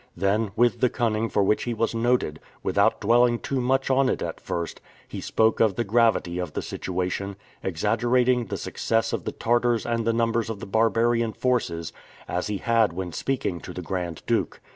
Then, with the cunning for which he was noted, without dwelling too much on it at first, he spoke of the gravity of the situation, exaggerating the success of the Tartars and the numbers of the barbarian forces, as he had when speaking to the Grand Duke.